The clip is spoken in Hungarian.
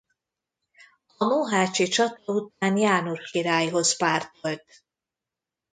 A mohácsi csata után János királyhoz pártolt.